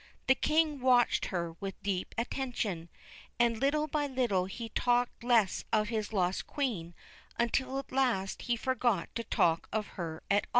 The King watched her with deep attention ; and little by little he talked less of his lost Queen, until at last he forgot to talk of her at all.